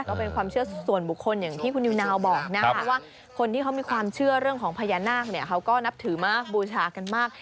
ก็เป็นความเชื่อส่วนบุคคลอย่างที่คุณนิวนาวบอกนะครับเพราะว่าคนที่เขามีความเชื่อเรื่องของพญานาคเนี่ยเขาก็นับถือมากบูชากันมาก